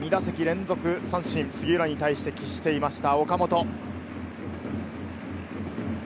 今日２打席連続三振を杉浦に対して喫していました、岡本。